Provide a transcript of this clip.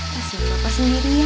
kasih bapak sendiri ya